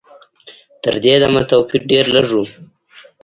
تر دې دمه توپیر ډېر لږ و.